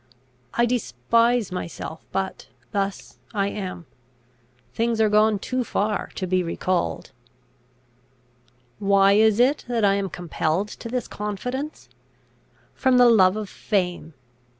I despise myself, but thus I am; things are gone too far to be recalled. "Why is it that I am compelled to this confidence? From the love of fame.